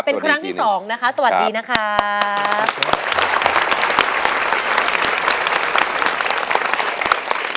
เป็นครั้งที่สองนะคะสวัสดีนะครับ